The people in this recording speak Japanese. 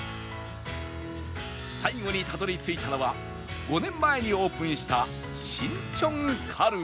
最後にたどり着いたのは５年前にオープンした